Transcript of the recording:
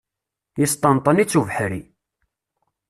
Yesṭenṭen-itt ubeḥri.